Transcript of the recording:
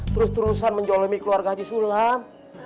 terus terusan menjolomi keluarga haji sulam